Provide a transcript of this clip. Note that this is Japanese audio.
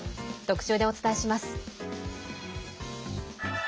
特集でお伝えします。